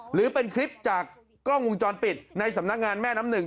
หรือเป็นคลิปจากกล้องวงจรปิดในสำนักงานแม่น้ำหนึ่ง